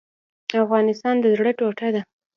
افغانستان د زړه ټوټه ده